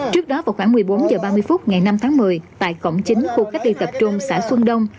trước đó vào khoảng một mươi bốn h ba mươi phút ngày năm tháng một mươi tại cổng chính khu cách ly tập trung xã xuân đông